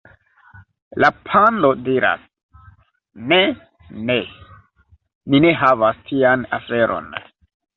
La pando diras: "Ne, ne. Ni ne havas tian aferon."